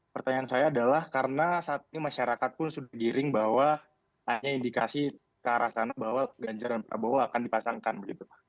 pertanyaan saya adalah karena saat ini masyarakat pun sudah giring bahwa hanya indikasi ke arah sana bahwa ganjar dan prabowo akan dipasangkan begitu